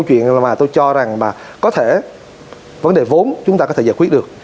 chuyện mà tôi cho rằng là có thể vấn đề vốn chúng ta có thể giải quyết được